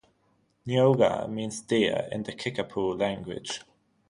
"Neoga" means "deer" in the Kickapoo language.